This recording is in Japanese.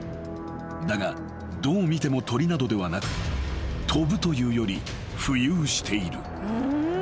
［だがどう見ても鳥などではなく飛ぶというより浮遊している］